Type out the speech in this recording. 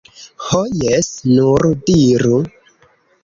Ho jes, nur diru!